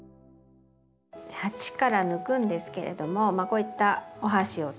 鉢から抜くんですけれどもこういったお箸を使ってですね